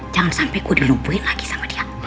jangan sampai gue dilumpuhin lagi sama dia